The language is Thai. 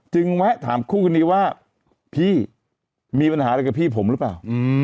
แวะถามคู่คนนี้ว่าพี่มีปัญหาอะไรกับพี่ผมหรือเปล่า